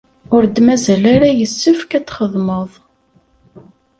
Ur d-mazal ara yessefk ad txedmeḍ.